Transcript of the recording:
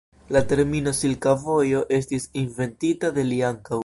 La termino "Silka Vojo" estis inventita de li ankaŭ.